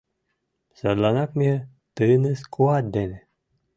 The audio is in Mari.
Садланак ме тыныс куат дене